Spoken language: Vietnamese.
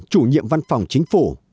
chủ nhiệm văn phòng chính phủ